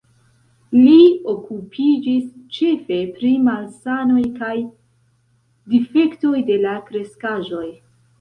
Li okupiĝis ĉefe pri malsanoj kaj difektoj de la kreskaĵoj.